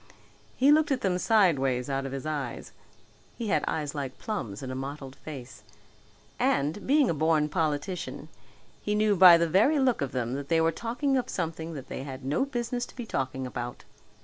He looked at them sideways out of his eyes he had eyes like plums in a mottled face and, being a born politician, he knew by the very look of them that they were talking of something that they had no business to be talking about.